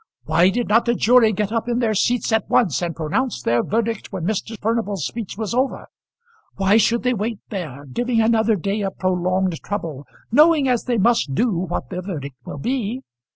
"Why did not the jury get up in their seats at once and pronounce their verdict when Mr. Furnival's speech was over? Why should they wait there, giving another day of prolonged trouble, knowing as they must do what their verdict will be?